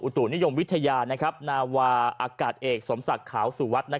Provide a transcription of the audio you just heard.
อุตุนิยมวิทยานาวาอากาศเอกสำสักขาวสู่วัด